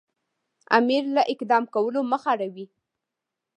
امیر له اقدام کولو مخ اړوي.